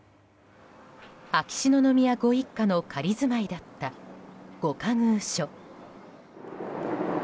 秋篠宮ご一家の仮住まいだった御仮寓所。